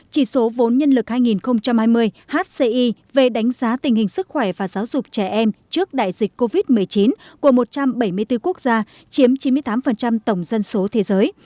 chỉ số vốn nhân lực hai nghìn hai mươi hci về đánh giá tình hình sức khỏe và giáo dục trẻ em trước đại dịch covid một mươi chín của một trăm bảy mươi bốn quốc gia chiếm chín mươi tám tổng dân số thế giới